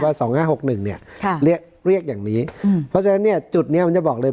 ว่า๒๕๖๑เนี่ยเรียกอย่างนี้เพราะฉะนั้นเนี่ยจุดนี้มันจะบอกเลย